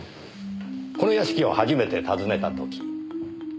この屋敷を初めて訪ねた時あなたは。